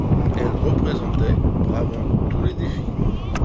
Elle représentait, bravant tous les défis